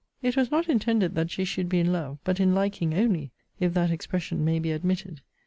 It was not intended that she should be in love, but in liking only, if that expression may be admitted.